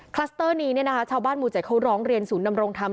คลัสเตอร์นี้ชาวบ้านหมู่๗เขาร้องเรียนศูนย์นำรงธรรม